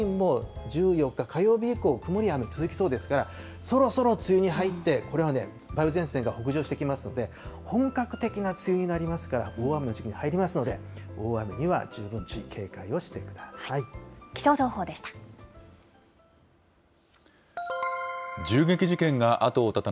東北や北陸付近も、１４日火曜日以降、曇りや雨続きそうですから、そろそろ梅雨に入って、これはね、梅雨前線が北上してきますので、本格的な梅雨になりますから、大雨の時期に入りますので、大雨に気象情報でした。